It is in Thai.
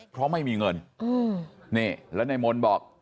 เพราะไม่มีเงินแล้วในมนตร์บอก